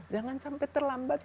jangan sampai terlambat gitu